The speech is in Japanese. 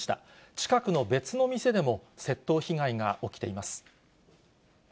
近くの別の店でも窃盗被害が起きています。